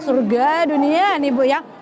surga dunia nih bu ya